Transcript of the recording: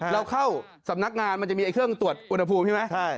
เราเข้าสำนักงานมันจะมีเครื่องตรวจอุณหภูมิใช่ไหม